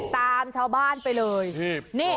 ตามชาวบ้านไปเลย